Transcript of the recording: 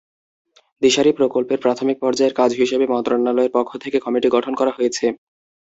দিশারি প্রকল্পের প্রাথমিক পর্যায়ের কাজ হিসেবে মন্ত্রণালয়ের পক্ষ থেকে কমিটি গঠন করা হয়েছে।